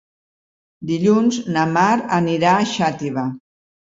Dilluns na Mar anirà a Xàtiva.